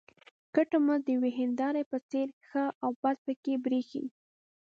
کټ مټ د یوې هینداره په څېر ښه او بد پکې برېښي.